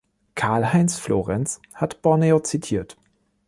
Karl-Heinz Florenz hat Borneo zitiert.